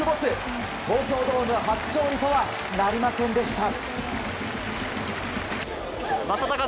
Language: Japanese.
東京ドーム初勝利とはなりませんでした。